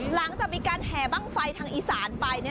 หลังจากมีการแห่บ้างไฟทางอีสานไป